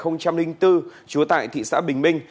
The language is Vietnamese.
năm hai nghìn bốn chúa tại thị xã bình minh